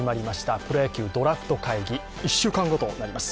プロ野球ドラフト会議、１週間後となります。